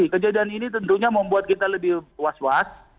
kejadian ini tentunya membuat kita lebih was was